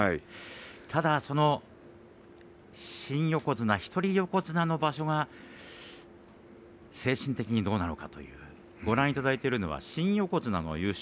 ただ新横綱一人横綱の場所が精神的にどうなのかご覧いただいているのは新横綱の優勝。